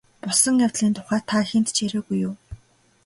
Болсон явдлын тухай та хэнд ч яриагүй юу?